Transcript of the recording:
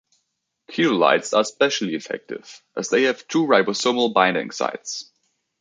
Ketolides are especially effective, as they have two ribosomal binding sites.